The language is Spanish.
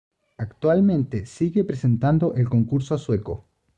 Actualmente sigue presentando el concurso sueco.